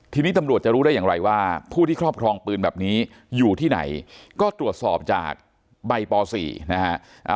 ทีนี้ตำรวจจะรู้ได้อย่างไรว่าผู้ที่ครอบครองปืนแบบนี้อยู่ที่ไหนก็ตรวจสอบจากใบป๔นะฮะ